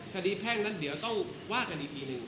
แพ่งนั้นเดี๋ยวต้องว่ากันอีกทีหนึ่ง